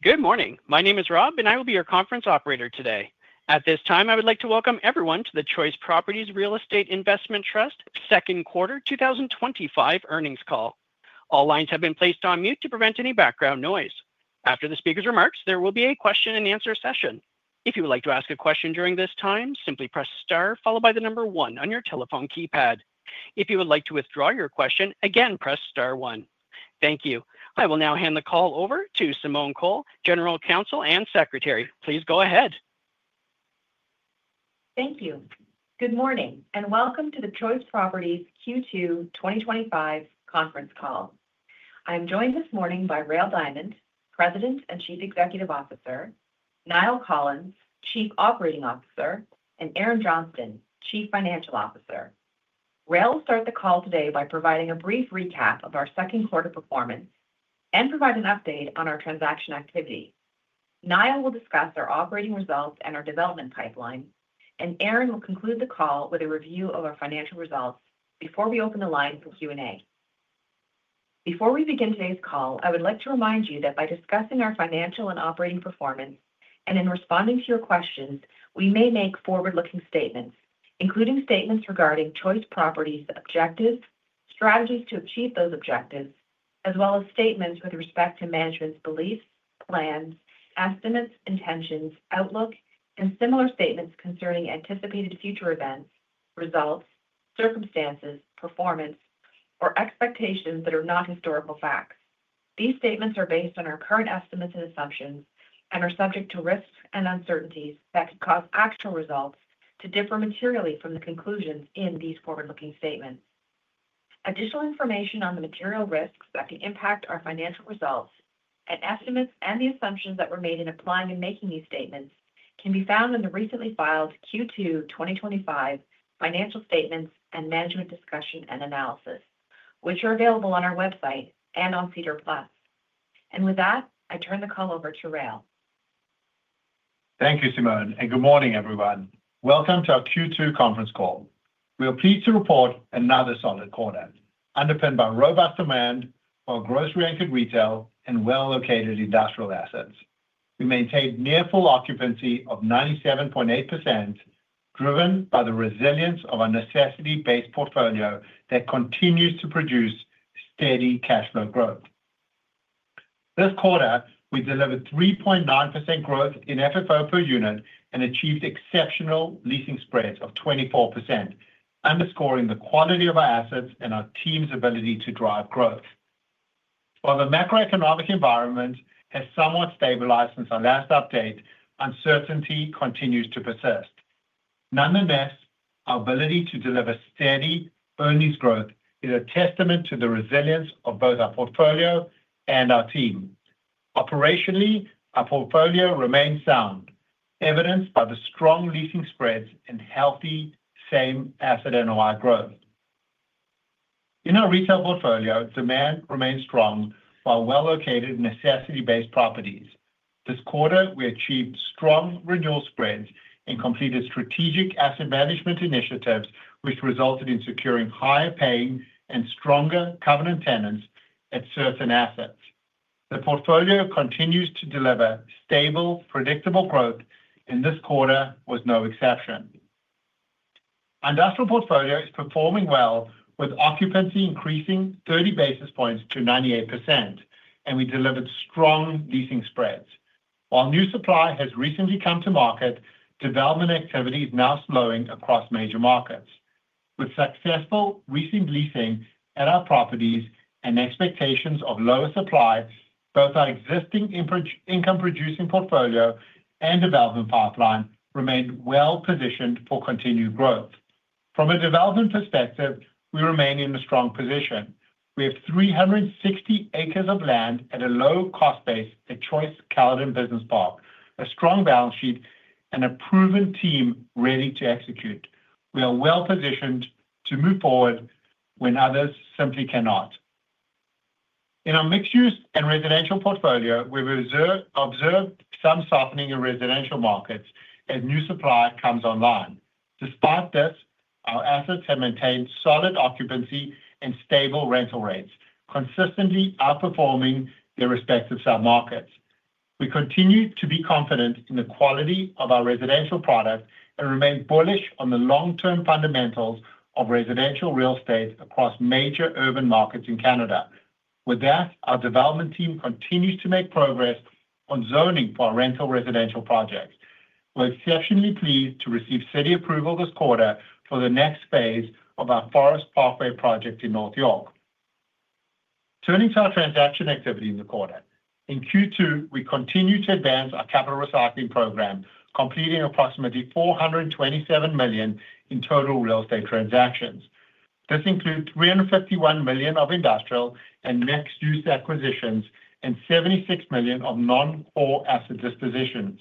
Good morning, my name is Rob and I will be your conference operator today. At this time, I would like to welcome everyone to the Choice Properties Real Estate Investment Trust second quarter 2025 earnings call. All lines have been placed on mute to prevent any background noise. After the speakers' remarks, there will be a question and answer session. If you would like to ask a question. question during this time, simply press star followed by the number one on your telephone keypad. If you would like to withdraw your question, again press star one. Thank you. I will now hand the call over to Simone Cole, General Counsel and Secretary. Please go ahead. Thank you. Good morning and welcome to the Choice Properties Q2 2025 conference call. I am joined this morning by Rael Diamond, President and Chief Executive Officer, Niall Collins, Chief Operating Officer, and Erin Johnston, Chief Financial Officer. Rael will start the call today by providing a brief recap of our second quarter performance and provide an update on our transaction activity. Niall will discuss our operating results and our development pipeline, and Erin will conclude the call with a review of our financial results before we open the line for Q&A. Before we begin today's call, I would like to remind you that by discussing our financial and operating performance and in responding to your questions, we may make forward-looking statements, including statements regarding Choice Properties' objectives, strategies to achieve those objectives, as well as statements with respect to management's beliefs, plans, estimates, intentions, outlook, and similar statements concerning anticipated future events, results, circumstances, performance, or expectations that are not historical facts. These statements are based on our current estimates and assumptions and are subject to risks and uncertainties that could cause actual results to differ materially from the conclusions in these forward-looking statements. Additional information on the material risks that can impact our financial results and estimates and the assumptions that were made in applying and making these statements can be found in the recently filed Q2 2025 financial statements and management discussion and analysis, which are available on our website and on SEDAR+. With that, I turn the call over to Rael. Thank you, Simone, and good morning, everyone. Welcome to our Q2 conference call. We are pleased to report another solid quarter underpinned by robust demand for grocery-anchored retail and well-located industrial assets. We maintained near full occupancy of 97.8%, driven by the resilience of our necessity-based portfolio, and that continues to produce steady cash flow growth. This quarter, we delevered 3.9% growth in FFO per unit and achieved exceptional leasing spreads of 24%, underscoring the quality of our assets and our team's ability to drive growth. While the macroeconomic environment has somewhat stabilized since our last update, uncertainty continues to persist. Nonetheless, our ability to delever steady earnings growth is a testament to the resilience of both our portfolio and our team. Operationally, our portfolio remains sound, evidenced by the strong leasing spreads and healthy same-asset NOI growth. In our retail portfolio, demand remains strong for well-located necessity-based properties. This quarter, we achieved strong renewal spreads and completed strategic asset management initiatives, which resulted in securing higher-paying and stronger covenant tenants at certain assets. The portfolio continues to delever stable, predictable growth, and this quarter was no exception. Our industrial portfolio is performing well, with occupancy increasing 30 basis points to 98%, and we delevered strong leasing spreads. While new supply has recently come to market, development activity is now slowing across major markets. With successful recent leasing at our properties and expectations of lower supply, both our existing income-producing portfolio and development pipeline remain well-positioned for continued growth. From a development perspective, we remain in a strong position. We have 360 acres of land at a low cost base at Choice Caledon Business Park, a strong balance sheet, and a proven team ready to execute. We are well-positioned to move forward when others simply cannot. In our mixed-use and residential portfolio, we observed some softening in residential markets as new supply comes online. Despite this, our assets have maintained solid occupancy and stable rental rates, consistently outperforming their respective submarkets. We continue to be confident in the quality of our residential product and remain bullish on the long-term fundamentals of residential real estate across major urban markets in Canada. With that, our development team continues to make progress on zoning for our rental residential projects. We're exceptionally pleased to receive city approval this quarter for the next phase of our Forest Pathway project in North York. Turning to our transaction activity in the quarter in Q2, we continue to advance our capital recycling program, completing approximately $427 million in total real estate transactions. This includes $351 million of industrial and mixed-use acquisitions and $76 million of non-core asset dispositions,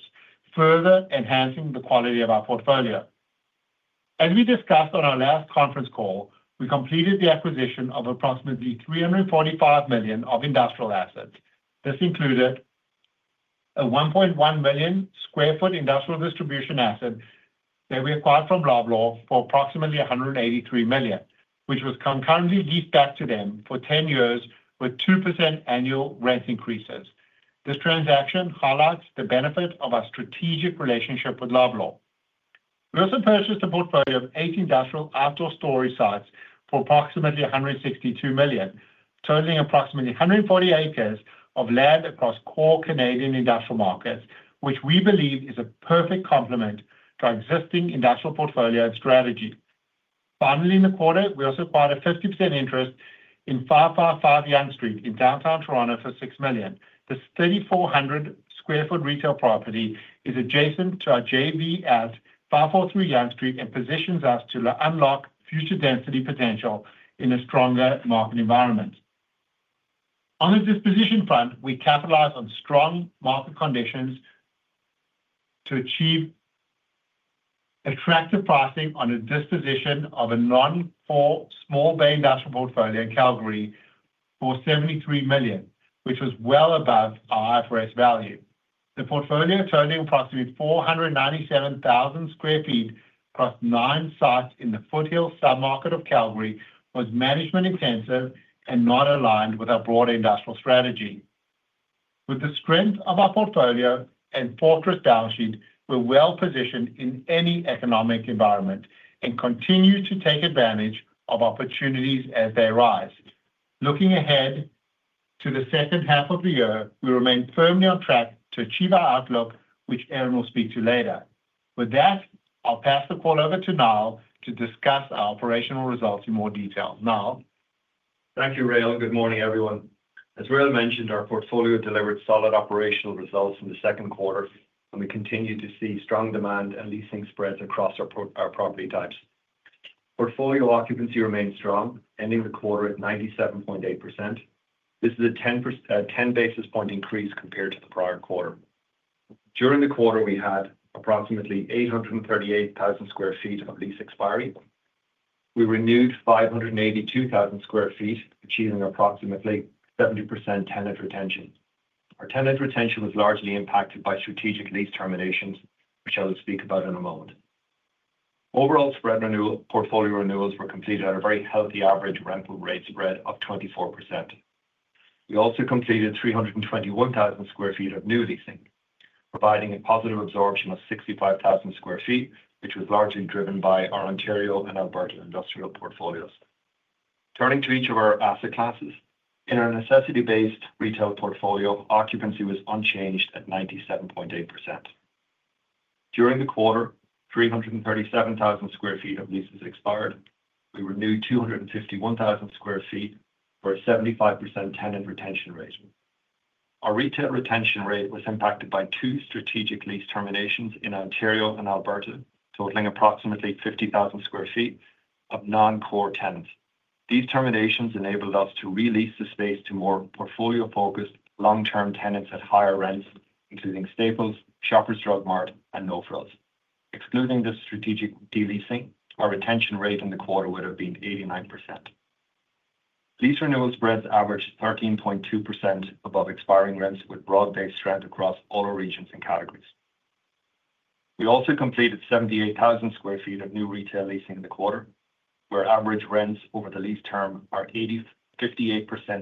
further enhancing the quality of our portfolio. As we discussed on our last conference call, we completed the acquisition of approximately $345 million of industrial assets. This included a 1.1 million sq ft industrial distribution asset that we acquired from Loblaw for approximately $183 million, which was concurrently leased back to them for 10 years with 2% annual rent increases. This transaction highlights the benefit of our strategic relationship with Loblaw. We also purchased a portfolio of eight industrial outdoor storage sites for approximately $162 million, totaling approximately 140 acres of land across core Canadian industrial markets, which we believe is a perfect complement to our existing industrial portfolio and strategy. Finally, in the quarter we also acquired a 50% interest in 555 Yonge Street in downtown Toronto for $6 million. This 3,400 square foot retail property is adjacent to our JV at 543 Yonge Street and positions us to unlock future density potential in a stronger market environment. On the disposition front, we capitalized on strong market conditions to achieve attractive pricing on a disposition of a non-core small bay industrial portfolio in Calgary for $73 million, which was well above IFRS value. The portfolio, totaling approximately 497,000 sq ft across nine sites in the Foothill submarket of Calgary, was management intensive and not aligned with our broader industrial strategy. With the strength of our portfolio and fortress balance sheet, we're well-positioned in any economic environment and continue to take advantage of opportunities as they arise. Looking ahead to the second half of the year, we remain firmly on track to achieve our outlook, which Erin will speak to later. With that, I'll pass the call over to Niall to discuss our operational results in more detail. Niall, thank you, Rael, and good morning everyone. As Rael mentioned, our portfolio delevered solid operational results in the second quarter, and we continue to see strong demand and leasing spreads across our property types. Portfolio occupancy remains strong, ending the quarter at 97.8%. This is a 10 basis point increase compared to the prior quarter. During the quarter, we had approximately 838,000 sq ft of lease expiry. We renewed 582,000 sq ft, achieving approximately 70% tenant retention. Our tenant retention was largely impacted by strategic lease terminations, which I will speak about in a moment. Overall, portfolio renewals were completed at a very healthy average rental rate spread of 24%. We also completed 321,000 sq ft of new leasing, providing a positive absorption of 65,000 sq ft, which was largely driven by our Ontario and Alberta industrial portfolios. Turning to each of our asset classes, in our necessity-based retail portfolio, occupancy was unchanged at 97.8%. During the quarter, 337,000 sq ft of leases expired. We renewed 251,000 sq ft for a 75% tenant retention rate. Our retail retention rate was impacted by two strategic lease terminations in Ontario and Alberta totaling approximately 50,000 sq ft of non-core tenants. These terminations enabled us to release the space to more portfolio-focused long-term tenants at higher rents, including Staples, Shoppers Drug Mart, and No Frills. Excluding the strategic deleasing, our retention rate in the quarter would have been 89%. Lease renewal spreads averaged 13.2% above expiring rents, with broad-based strength across all our regions and categories. We also completed 78,000 sq ft of new retail leasing in the quarter, where average rents over the lease term are 58%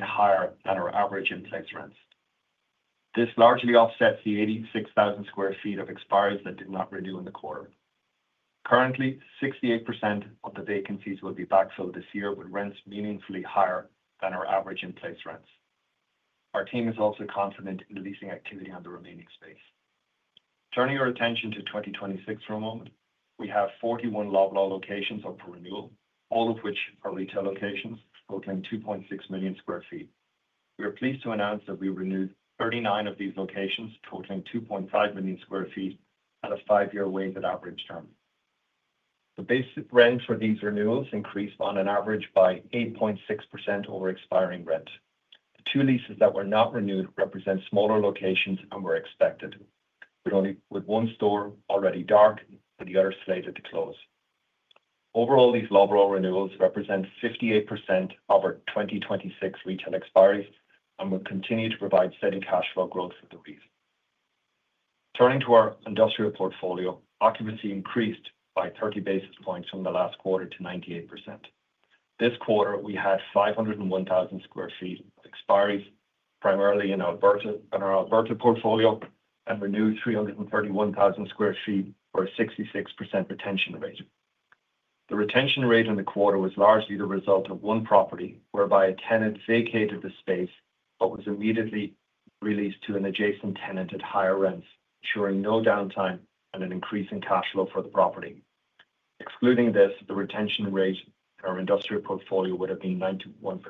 higher than our average in-place rents. This largely offsets the 86,000 sq ft of expiries that did not renew in the quarter. Currently, 68% of the vacancies will be backfilled this year with rents meaningfully higher than our average in-place rents. Our team is also confident in leasing activity on the remaining space. Turning your attention to 2026 for a moment, we have 41 Loblaw locations up for renewal, all of which are retail locations totaling 2.6 million sq ft. We are pleased to announce that we renewed 39 of these locations totaling 2.5 million sq ft at a five-year wage. At outreach term, the basic rent for these renewals increased on average by 8.6% over expiring rent. The two leases that were not renewed represent smaller locations and were expected, with one store already dark and the other slated to close. Overall, these lower renewals represent 58% of our 2026 retail expiry and will continue to provide steady cash flow growth for the REIT. Turning to our industrial portfolio, occupancy increased by 30 basis points from the last quarter to 98%. This quarter we had 501,000 sq ft of expiries, primarily in Alberta in our Alberta portfolio, and renewed 331,000 sq ft for a 66% retention rate. The retention rate in the quarter was largely the result of one property whereby a tenant vacated the space but was immediately released to an adjacent tenant at higher rents, ensuring no downtime and an increase in cash flow for the property. Excluding this, the retention rate in our industrial portfolio would have been 91%.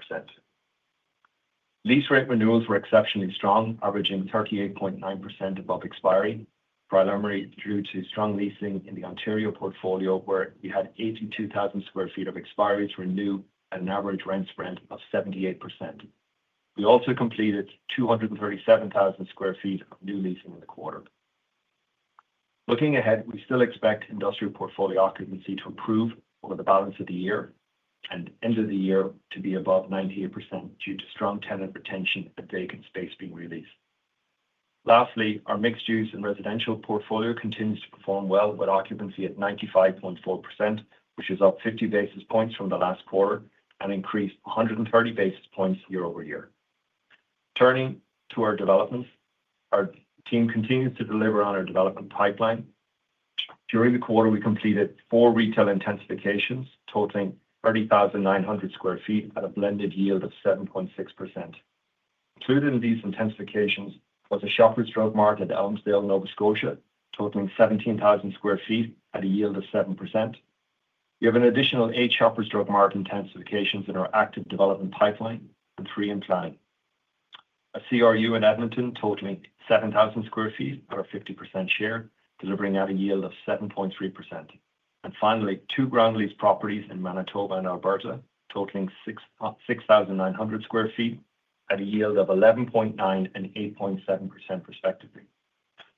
Lease rate renewals were exceptionally strong, averaging 38.9% above expiry, primarily due to strong leasing. In the Ontario portfolio, where we had 82,000 sq ft of expiry, we renewed at an average rent spread of 78%. We also completed 237,000 sq ft of new leasing in the quarter. Looking ahead, we still expect industrial portfolio occupancy to improve over the balance of the year and end the year to be above 98% due to strong tenant retention and vacant space being released. Lastly, our mixed-use and residential portfolio continues to perform well, with occupancy at 95.4%, which is up 50 basis points from the last quarter and increased 130 basis points year-over-year. Turning to our developments, our team continued to delever on our development pipeline. During the quarter, we completed four retail intensifications totaling 30,900 sq ft at a blended yield of 7.6%. Included in these intensifications was a Shoppers Drug Mart at Elmsdale, Nova Scotia, totaling 17,000 sq ft at a yield of 7%. We have an additional eight Shoppers Drug Mart intensifications in our active development pipeline and three in planning, a CRU in Edmonton totaling 7,000 sq ft or 50% share delevering at a yield of 7.3%, and finally two ground lease properties in Manitoba and Alberta totaling 6,900 sq ft at a yield of 11.9% and 8.7% respectively.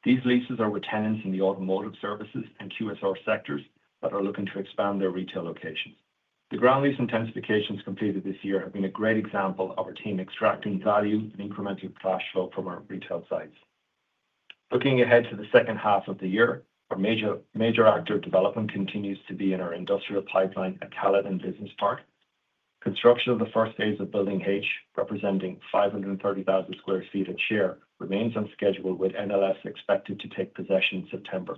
These leases are with tenants in the automotive services and QSR sectors that are looking to expand their retail locations. The ground lease intensifications completed this year have been a great example of our team extracting value and incremental cash flow from our retail sites. Looking ahead to the second half of the year, our major active development continues to be in our industrial pipeline at Caledon Business Park. Construction of the first phase of Building H, representing 530,000 sq ft of share, remains on schedule with NLS expected to take possession in September.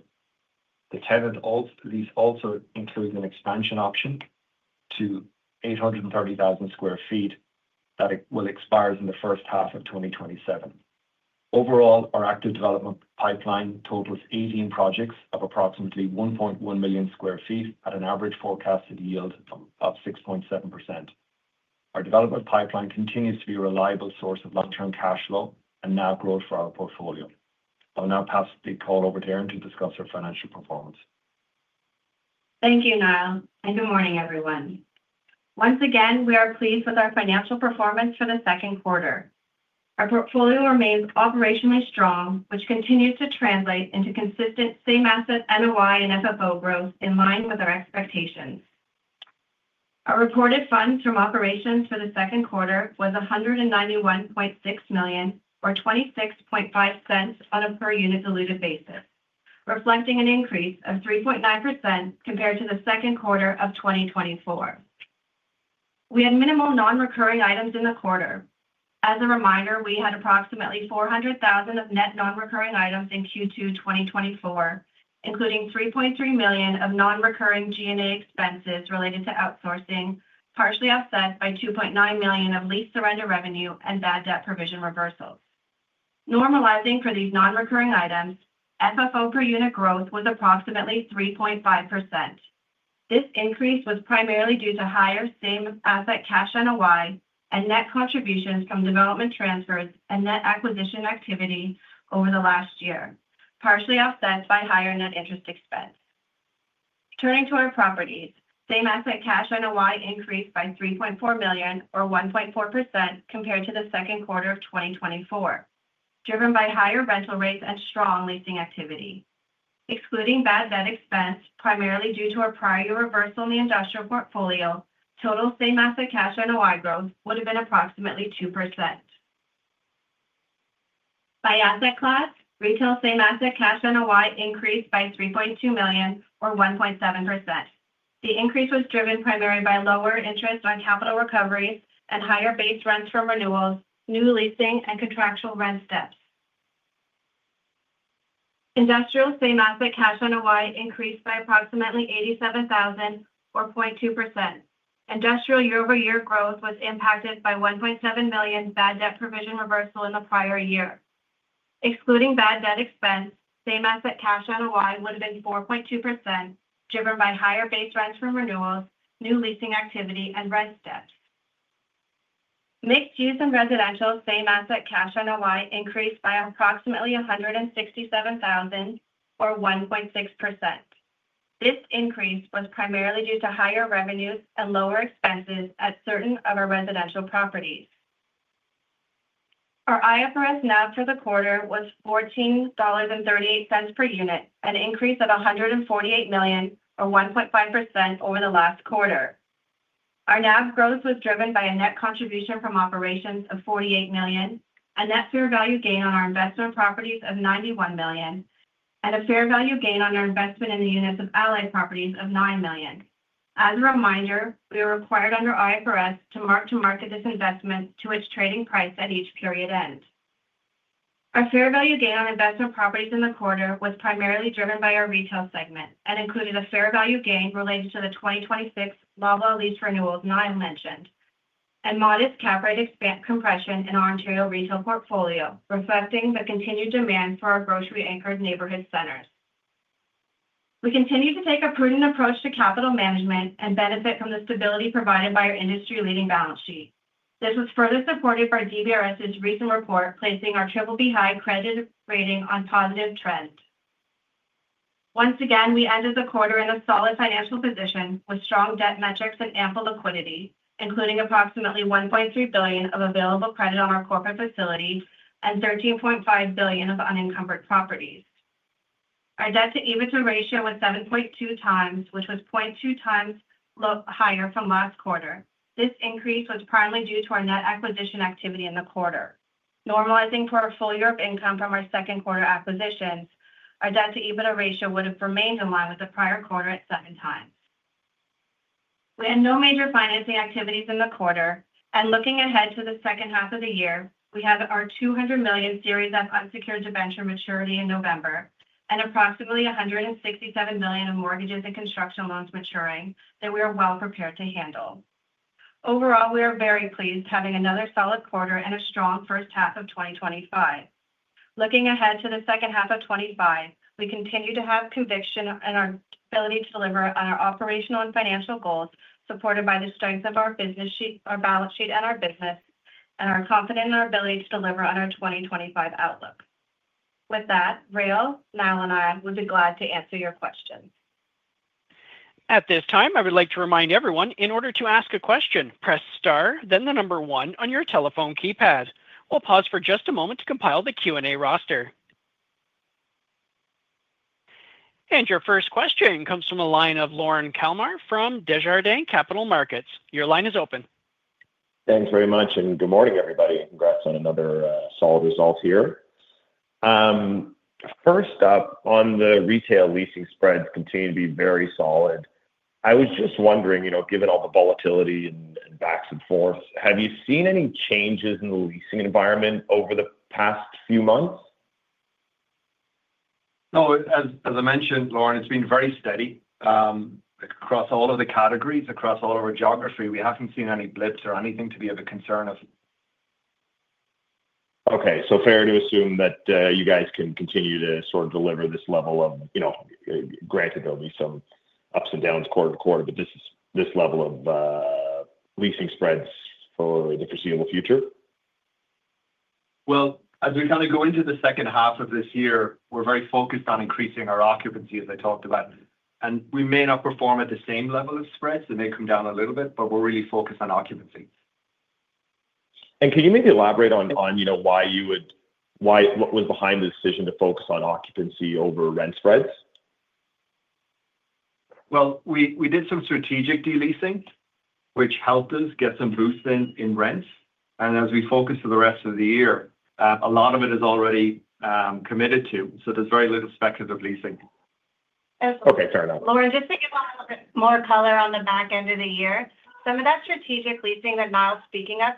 The tenant lease also includes an expansion option to 830,000 sq ft that will expire in the first half of 2027. Overall, our active development pipeline totals 18 projects of approximately 1.1 million sq ft at an average forecasted yield of 6.7%. Our development pipeline continues to be a reliable source of long-term cash flow and NOI growth for our portfolio. I'll now pass the call over to Erin to discuss our financial performance. Thank you Niall and good morning everyone. Once again we are pleased with our financial performance for the second quarter. Our portfolio remains operationally strong, which continues to translate into consistent same-asset NOI and FFO growth. In line with our expectations, our reported funds from operations for the second quarter was $191.6 million or $0.265 on a per unit diluted basis, reflecting an increase of 3.9% compared to the second quarter of 2024. We had minimal non-recurring items in the quarter. As a reminder, we had approximately $400,000 of net non-recurring items in Q2 2024, including $3.3 million of non-recurring G&A expenses related to outsourcing, partially offset by $2.9 million of lease surrender revenue and bad debt provision reversals. Normalizing for these non-recurring items, FFO per unit growth was approximately 3.5%. This increase was primarily due to higher same-asset cash NOI and net contributions from development transfers and net acquisition activity over the last year, partially offset by higher net interest expense. Turning to our properties, same-asset cash NOI increased by $3.4 million or 1.4% compared to the second quarter of 2024, driven by higher rental rates and strong leasing activity, excluding bad debt expense primarily due to a prior year reversal in the industrial portfolio. Total same-asset cash NOI growth would have been approximately 2% by asset class. Retail same-asset cash NOI increased by $3.2 million or 1.7%. The increase was driven primarily by lower interest on capital recoveries and higher base rents from renewals, new leasing, and contractual rent steps. Industrial same-asset cash NOI increased by approximately $87,000 or 0.2%. Industrial year-over-year growth was impacted by a $1.7 million bad debt provision reversal in the prior year. Excluding bad debt expense, same-asset cash NOI would have been 4.2%, driven by higher base rents from renewals, new leasing activity, and rent steps. Mixed-use and residential same-asset cash NOI increased by approximately $167,000 or 1.6%. This increase was primarily due to higher revenues and lower expenses at certain of our residential properties. Our IFRS NAV for the quarter was $14.38 per unit, an increase of $148 million or 1.5% over the last quarter. Our NAV growth was driven by a net contribution from operations of $48 million, a net fair value gain on our investment properties of $91 million, and a fair value gain on our investment in the units of Allied Properties of $9 million. As a reminder, we are required under IFRS to mark to market this investment to its trading price at each period end. Our fair value gain on investment properties in the quarter was primarily driven by our retail segment and included a fair value gain related to the 2026 Loblaw lease renewals Niall mentioned and modest cap rate compression in our Ontario retail portfolio, reflecting the continued demand for our grocery-anchored neighborhood centers. We continue to take a prudent approach to capital management and benefit from the stability provided by our industry-leading balance sheet. This was further supported by DBRS' recent report placing our Triple B high credit rating on positive trend. Once again, we ended the quarter in a solid financial position with strong debt metrics and ample liquidity, including approximately $1.3 billion of available credit on our corporate facility and $13.5 billion of unencumbered properties. Our debt-to-EBITDA ratio was 7.2x, which was 0.2x higher from last quarter. This increase was primarily due to our net acquisition activity in the quarter. Normalizing for a full year of income from our second quarter acquisitions, our debt-to-EBITDA ratio would have remained in line with the prior quarter at 7 times. We had no major financing activities in the quarter. Looking ahead to the second half of the year, we have our $200 million series of unsecured debenture maturity in November and approximately $167 million in mortgages and construction loans maturing that we are well prepared to handle. Overall, we are very pleased having another solid quarter and a strong first half of 2025. Looking ahead to the second half of 2025, we continue to have conviction in our ability to delever on our operational and financial goals, supported by the strength of our balance sheet and our business, and are confident in our ability to delever on our 2025 outlook. With that, Rael, Niall and I would be glad to answer your questions. At this time, I would like to remind everyone, in order to ask a question, press star, then the number one on your telephone keypad. We'll pause for just a moment to compile the Q&A roster. Your first question comes from the line of Lorne Kalmar from Desjardins Capital Markets. Your line is open. Thanks very much, and good morning, everybody. Congrats on another solid result here. First up, on the retail leasing spreads, continue to be very solid. I was just wondering, you know, given. All the volatility and backs and forth. Have you seen any changes in the. Leasing environment over the past few months? No. As I mentioned, Lorne, it's been very steady across all of the categories, across all of our geography. We haven't seen any blips or anything to be of a concern of. Okay, so fair to assume that you guys can continue to sort of delever this level of, you know, granted there'll be some ups and downs quarter to quarter, but this is this level of leasing spreads for the foreseeable future. As we kind of go into. The second half of this year, we're very focused on increasing our occupancy, as I talked about. We may not perform at the same level of spreads. They may come down a little bit. We are really focused on occupancy. Can you maybe elaborate on why you would? What was behind the decision to focus on occupancy over rent spreads? We did some strategic de-leasing. Which helped us get some boost in rents. As we focus for the rest of the year, a lot of it is already committed to, so there's very little speculative leasing. Okay, sorry, not. Lorne, just to give a little bit more color on the back end of the year, some of that strategic leasing that Niall is speaking of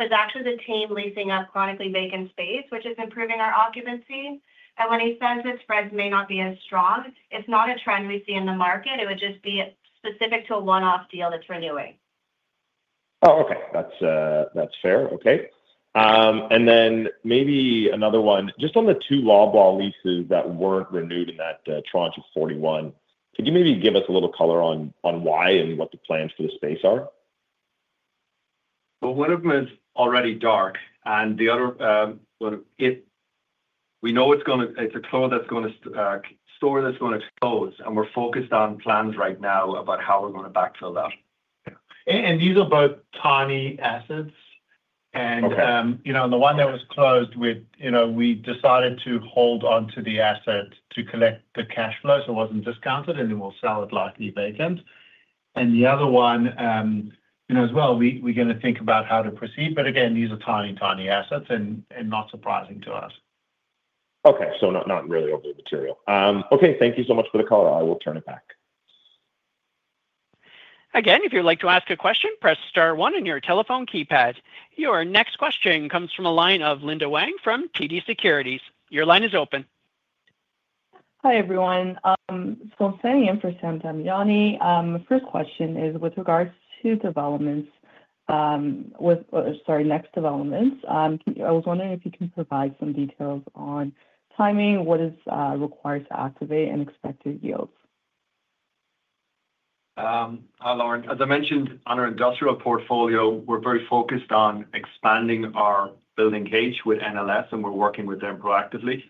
is actually the team leasing up chronically vacant space, which is improving our occupancy. When he says that spreads may not be as strong, it's not a trend we see in the market. It would just be specific to a one-offs deal that's renewing. Okay, that's fair. Maybe another one just on the two Loblaw leases that weren't renewed in that tranche of 41. Could you give us a little color on why and what the plans for the space are? One of them is already dark and the other one, we know it's going to, it's a cloth that's going to store, that's going to close. We're focused on plans right now about how we're going to backfill that. These are both tiny assets. The one that was closed, we decided to hold on to the asset to collect the cash flow, so it wasn't discounted and we will sell it likely vacant. The other one as well, we're going to think about how to proceed. Again, these are tiny, tiny assets and not surprising to us. Okay. Not really overly material. Thank you so much for the call. I will turn it back. Again, if you'd like to ask a question, press star one on your telephone keypad. Your next question comes from a line of Linda Wang from TD Securities. Your line is open. Hi everyone. I'm standing in for Sam Damiani. First question is with regards to Developments. Next, Developments, I was wondering if you can provide some details on timing, what is required to activate unexpected yields. Hi Linda. As I mentioned on our industrial portfolio, we're very focused on expanding our building cage with NLS. We're working with them proactively.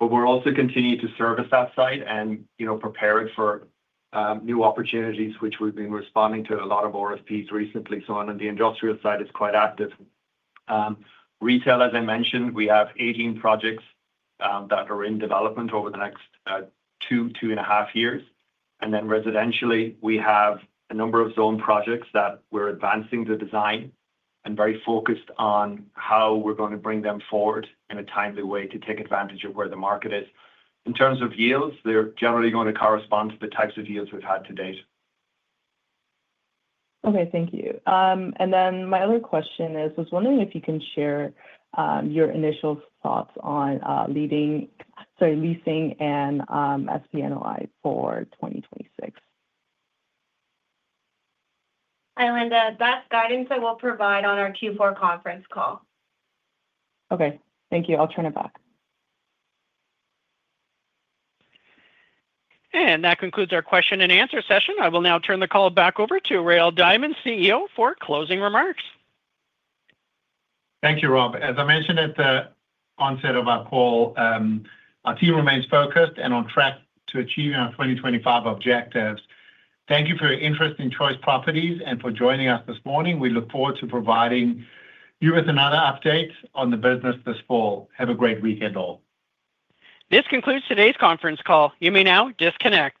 We're also continuing to service that site and prepare it for new opportunities, which we've been responding to a lot of RFPs recently. The industrial side is quite active. Retail, as I mentioned, we have 18 projects that are in development over the next two to two and a half years. Residentially, we have a number of zoned projects that we're advancing the design and very focused on how we're going to bring them forward in a timely way to take advantage of where the market is in terms of yields. They're generally going to correspond to the types of yields we've had to date. Okay, thank you. My other question is I was wondering if you can share your initial thoughts on leasing and same-asset NOI for 2026. Hi, Linda. That's guidance I will provide on our Q4 conference call. Okay, thank you. I'll turn it back. That concludes our question and answer session. I will now turn the call back over to Rael Diamond, CEO, for closing remarks. Thank you, Rob. As I mentioned at the onset of our call, our team remains focused and on track to achieving our 2025 objectives. Thank you for your interest in Choice Properties and for joining us this morning. We look forward to providing you with another update on the business this fall. Have a great weekend all. This concludes today's conference call. You may now disconnect.